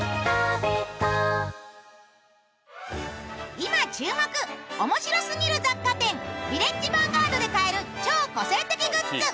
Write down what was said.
今、注目、面白すぎる雑貨店ヴィレッジヴァンガードで買える超個性的グッズ。